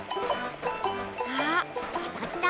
あっきたきた！